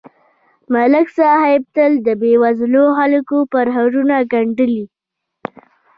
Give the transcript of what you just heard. ملک صاحب تل د بېوزلو خلکو پرهارونه گنډلي